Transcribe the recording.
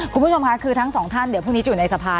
คุณผู้ชมค่ะคือทั้งสองท่านเดี๋ยวพรุ่งนี้จะอยู่ในสภา